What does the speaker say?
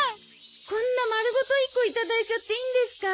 こんな丸ごと１個いただいちゃっていいんですか？